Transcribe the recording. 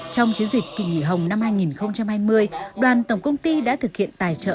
trong chiến dịch kỳ nghỉ hồng năm hai nghìn hai mươi đoàn tổng công ty đã thực hiện tài trợ